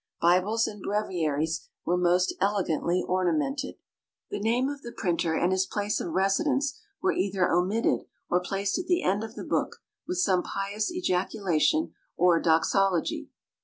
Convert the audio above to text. Bibles and Breviaries were most elegantly ornamented. The name of the printer and his place of residence were either omitted, or placed at the end of the book with some pious ejaculation or doxology.